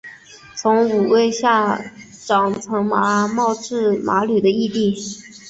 从五位下长岑茂智麻吕的义弟。